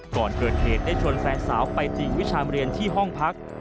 ก่อนเกิดเหตุได้ชวนแฟนสาวไปตีวิชามเรียนที่ห้องพัก